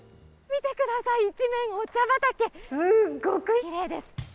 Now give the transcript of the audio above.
見てください、一面お茶畑、すごくきれいです。